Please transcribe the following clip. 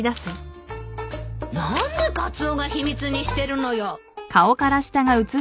何でカツオが秘密にしてるのよ。